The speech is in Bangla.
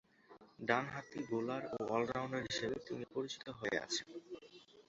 ডানহাতি বোলার ও অল-রাউন্ডার হিসেবে তিনি পরিচিত হয়ে আছেন।